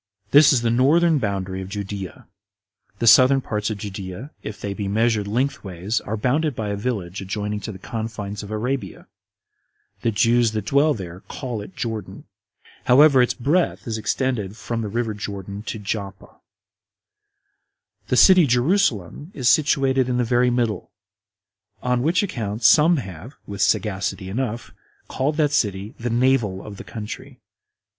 This is the northern boundary of Judea. The southern parts of Judea, if they be measured lengthways, are bounded by a Village adjoining to the confines of Arabia; the Jews that dwell there call it Jordan. However, its breadth is extended from the river Jordan to Joppa. The city Jerusalem is situated in the very middle; on which account some have, with sagacity enough, called that city the Navel of the country.